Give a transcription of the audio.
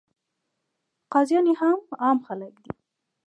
قاضیان یې عام خلک دي.